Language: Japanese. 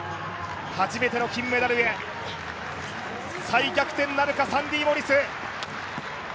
初めての金メダルへ再逆転なるか、サンディ・モリス。